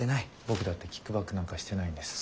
僕だってキックバックなんかしてないんです。